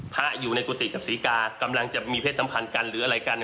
พระอยู่ในกุฏิกับศรีกากำลังจะมีเพศสัมพันธ์กันหรืออะไรกัน